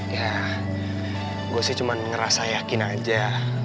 ya gue sih cuma ngerasa yakin aja